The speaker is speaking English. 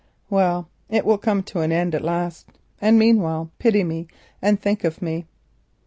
Well, it will come to an end at last, and meanwhile pity me and think of me.